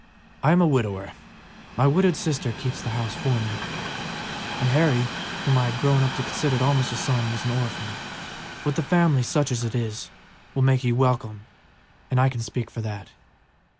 I am a widower; my widowed sister keeps house for me, and Harry, whom I had grown to consider almost a son, was an orphan. But the family, such as it is, will make you welcome; I can speak for that.